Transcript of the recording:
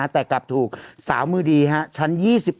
แต่กลับถูกสาวมือดีชั้น๒๑